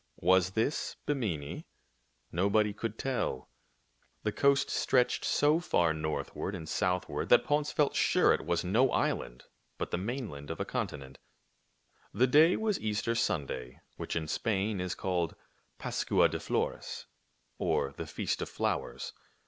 Was this Bimini ? Nobody could tell. The coast stretched so far northward and southward that Ponce felt sure it was no island but the mainland of a continent. The day was Easter Sunday, which in Spain is called Pascua de Flores, or the Feast of Flowers.